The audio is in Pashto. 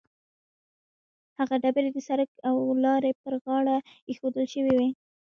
هغه ډبرې د سړک او لارې پر غاړه ایښودل شوې وي.